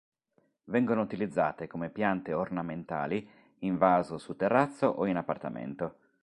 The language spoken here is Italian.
Vengono utilizzate come piante ornamentali in vaso su terrazzo o in appartamento.